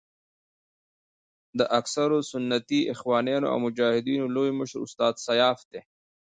د اکثرو سنتي اخوانیانو او مجاهدینو لوی مشر استاد سیاف دی.